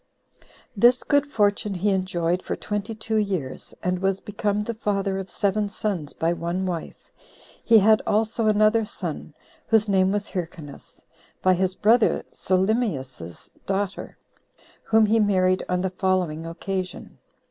6. This good fortune he enjoyed for twenty two years, and was become the father of seven sons by one wife; he had also another son, whose name was Hyrcanus, by his brother Solymius's daughter, whom he married on the following occasion.